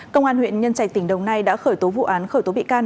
công an huyện nhân trạch tỉnh đồng nai đã khởi tố vụ án khởi tố bị can